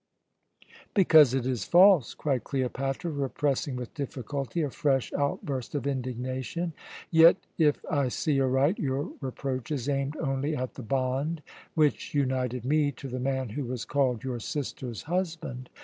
"Because it is false," cried Cleopatra, repressing with difficulty a fresh outburst of indignation. "Yet, if I see aright, your reproach is aimed only at the bond which united me to the man who was called your sister's husband.